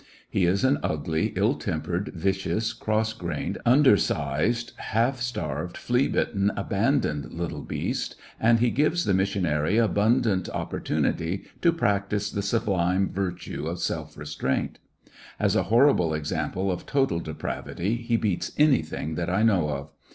He is an ugly, ill tempered, vicious, cross grained, undersized, half starved, flea bitten, abandoned little beast, and he gives the mis sionary abundant opportunity to practise the sublime virtue of self restraint. As a horrible example of total depravity he beats anything that I know of.